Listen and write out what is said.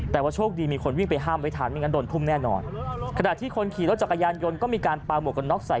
แต่ว่าโชคดีมีคนวิ่งไปห้ามไว้ทันเพราะฉะนั้นโดนทุ่มแน่นอน